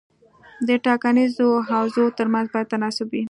د ټاکنیزو حوزو ترمنځ باید تناسب وي.